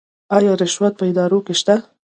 آیا رشوت په ادارو کې شته؟